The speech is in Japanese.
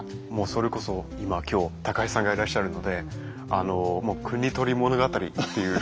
それこそ今今日高橋さんがいらっしゃるので「国盗り物語」っていう。